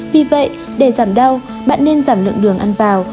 vì vậy để giảm đau bạn nên giảm lượng đường ăn vào